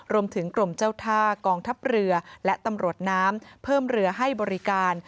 รวมถึงกรมเจ้าท่ากองทัพเรือและตำรวจน้ำเพิ่มเรือให้บริการ